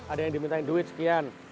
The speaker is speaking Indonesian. ada yang diminta duit sekian